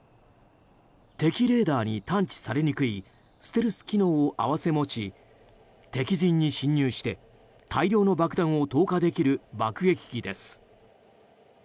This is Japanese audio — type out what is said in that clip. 敵レーダーに探知されにくいステルス機能を併せ持ち敵陣に侵入して大量の爆弾を投下できる爆撃機です。